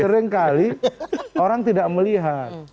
seringkali orang tidak melihat